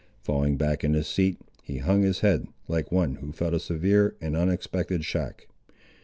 Falling back in his seat, he hung his head, like one who felt a severe and unexpected shock.